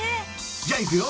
じゃあいくよ。